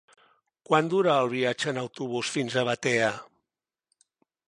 Quant dura el viatge en autobús fins a Batea?